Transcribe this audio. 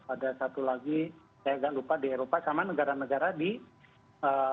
ada satu lagi saya agak lupa di eropa sama negara negara di eropa